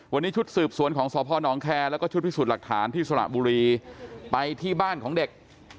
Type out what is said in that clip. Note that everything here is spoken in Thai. วันนี้ชุดสืบสวนของสพนแคร์แล้วก็ชุดพิสูจน์หลักฐานที่สระบุรีไปที่บ้านของเด็ก